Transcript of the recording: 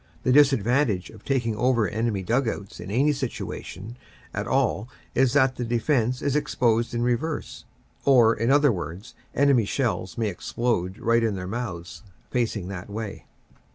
The disadvantage of taking over enemy dug outs in any 176 NO MAN S LAND 177 situation at all is that the defense is exposed in reverse, or, in other words, enemy shells may explode right in their mouths, facing that way.